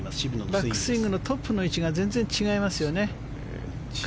バックスイングのトップの位置が全然違いますね。